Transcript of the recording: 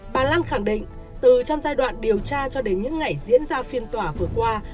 bà lan khẳng định từ trong giai đoạn điều tra cho đến những ngày diễn ra phiên tòa vừa qua